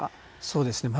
そうですね。